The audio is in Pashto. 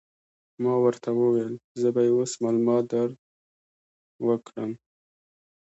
ما ورته وویل: زه به يې اوس معلومات در وکړم.